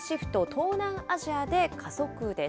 東南アジアで加速です。